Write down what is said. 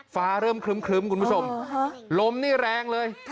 ฟ้าเริ่มครึ้มคุณผู้ชมลมนี่แรงเลย